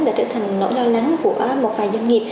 đã trở thành nỗi lo lắng của một vài doanh nghiệp